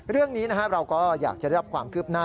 เรื่องนี้เราก็อยากจะได้รับความคืบหน้า